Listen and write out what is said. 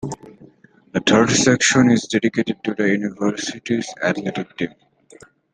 The third section is dedicated to the university's athletic teams.